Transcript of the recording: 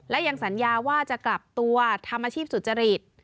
และยังสัญญาว่าจะกลับตัวทำอาชีพสุจริต